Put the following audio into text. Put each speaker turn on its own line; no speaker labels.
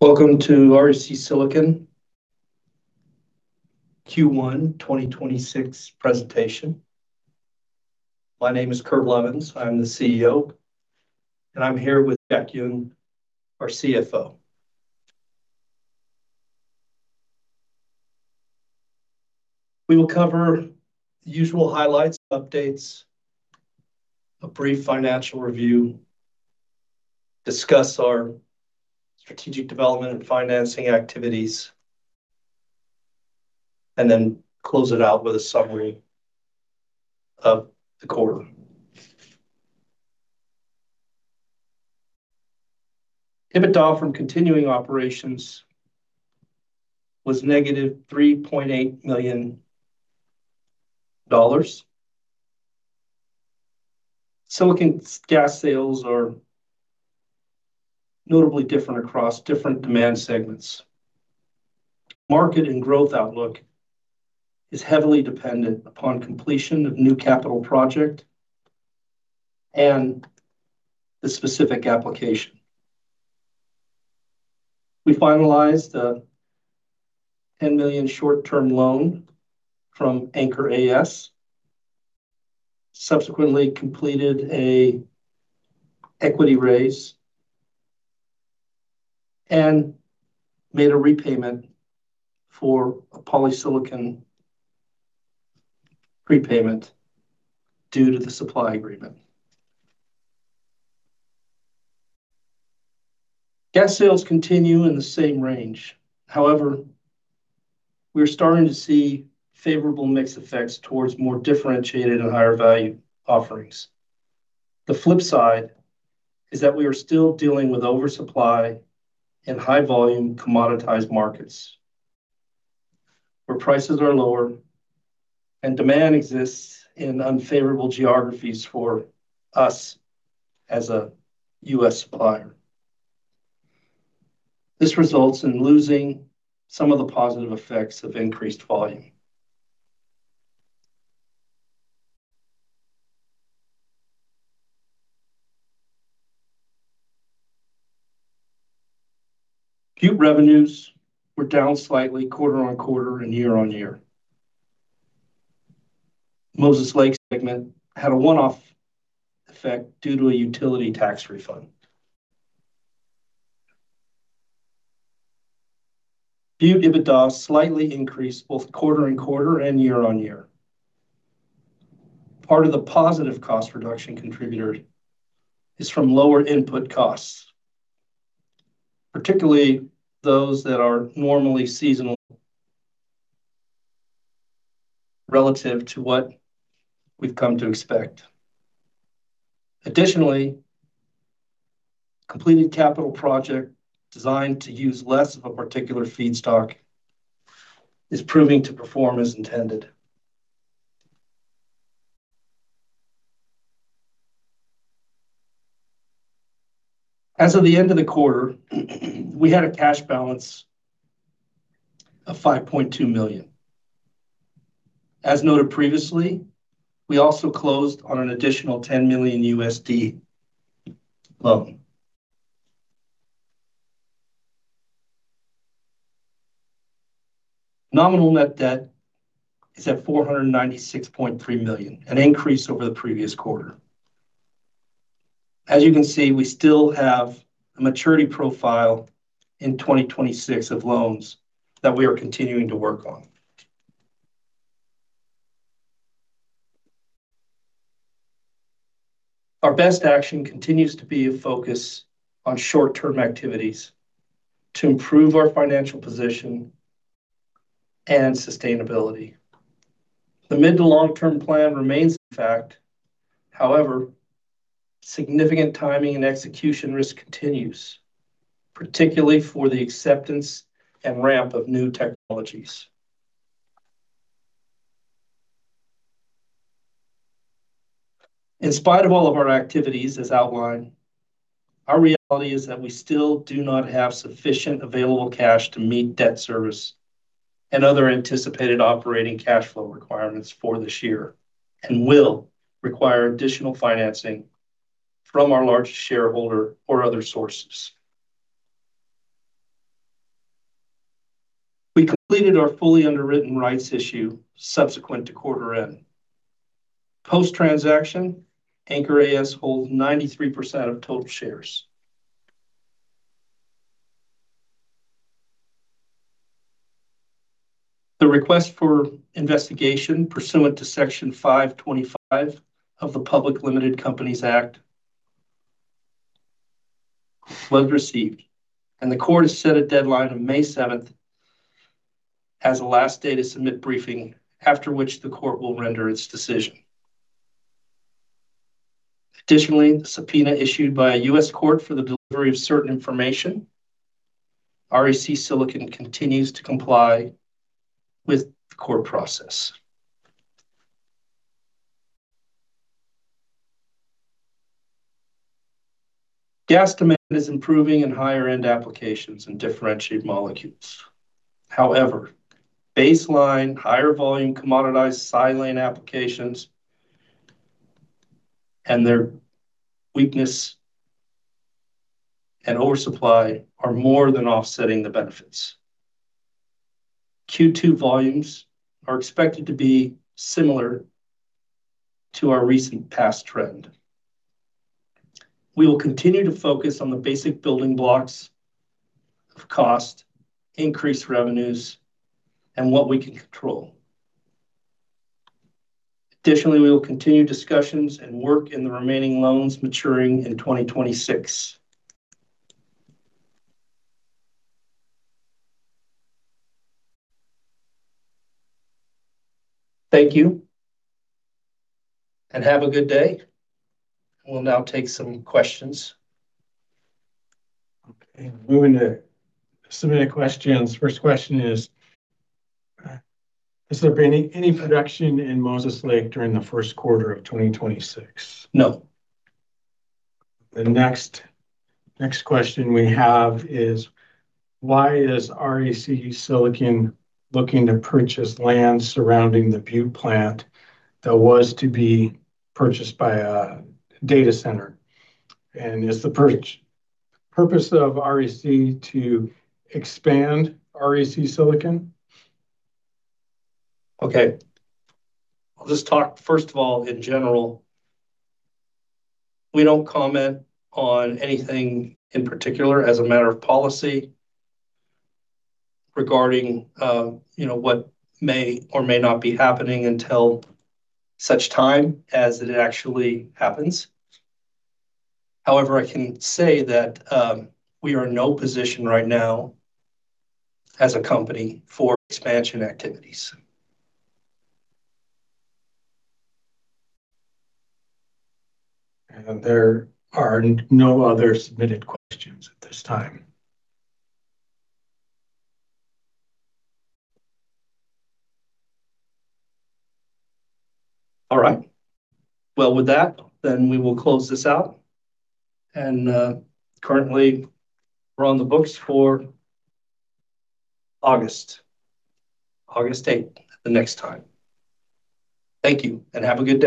Welcome to REC Silicon Q1 2026 presentation. My name is Kurt Levens, I'm the CEO, and I'm here with Jack Yun, our CFO. We will cover the usual highlights, updates, a brief financial review, discuss our strategic development and financing activities, and then close it out with a summary of the quarter. EBITDA from continuing operations was negative $3.8 million. Silicon gas sales are notably different across different demand segments. Market and growth outlook is heavily dependent upon completion of new capital project and the specific application. We finalized a $10 million short-term loan from Anker AS, subsequently completed a equity raise, and made a repayment for a polysilicon prepayment due to the supply agreement. Gas sales continue in the same range. However, we are starting to see favorable mix effects towards more differentiated and higher value offerings. The flip side is that we are still dealing with oversupply and high volume commoditized markets, where prices are lower and demand exists in unfavorable geographies for us as a U.S. supplier. This results in losing some of the positive effects of increased volume. Butte revenues were down slightly quarter-over-quarter and year-over-year. Moses Lake segment had a one-off effect due to a utility tax refund. Butte EBITDA slightly increased both quarter-over-quarter and year-over-year. Part of the positive cost reduction contributor is from lower input costs, particularly those that are normally seasonal relative to what we've come to expect. Additionally, completed capital project designed to use less of a particular feedstock is proving to perform as intended. As of the end of the quarter, we had a cash balance of $5.2 million. As noted previously, we also closed on an additional $10 million loan. Nominal net debt is at $496.3 million, an increase over the previous quarter. You can see, we still have a maturity profile in 2026 of loans that we are continuing to work on. Our best action continues to be a focus on short-term activities to improve our financial position and sustainability. The mid to long-term plan remains, in fact. Significant timing and execution risk continues, particularly for the acceptance and ramp of new technologies. In spite of all of our activities as outlined, our reality is that we still do not have sufficient available cash to meet debt service and other anticipated operating cash flow requirements for this year, and will require additional financing from our largest shareholder or other sources. We completed our fully underwritten rights issue subsequent to quarter end. Post-transaction, Anker AS holds 93% of total shares. The request for investigation pursuant to Section 5-25 of the Public Limited Companies Act was received, and the court has set a deadline of May 7 as a last day to submit briefing, after which the court will render its decision. Additionally, the subpoena issued by a U.S. court for the delivery of certain information, REC Silicon continues to comply with the court process. Gas demand is improving in higher end applications and differentiated molecules. However, baseline higher volume commoditized silane applications and their weakness and oversupply are more than offsetting the benefits. Q2 volumes are expected to be similar to our recent past trend. We will continue to focus on the basic building blocks of cost, increased revenues, and what we can control. Additionally, we will continue discussions and work in the remaining loans maturing in 2026. Thank you, and have a good day. We'll now take some questions.
Okay. Moving to submitted questions. First question is, has there been any production in Moses Lake during the first quarter of 2026?
No.
The next question we have is, why is REC Silicon looking to purchase land surrounding the Butte plant that was to be purchased by a data center? Is the purpose of REC to expand REC Silicon?
Okay. I'll just talk first of all in general. We don't comment on anything in particular as a matter of policy regarding, you know, what may or may not be happening until such time as it actually happens. I can say that we are in no position right now as a company for expansion activities.
There are no other submitted questions at this time.
All right. Well, with that then we will close this out. Currently we're on the books for August 8th, the next time. Thank you, and have a good day